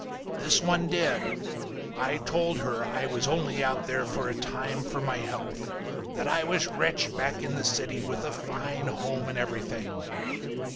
"This one did. I told her I was only out there for a time for my health. That I was rich back in the city, with a fine home and everything.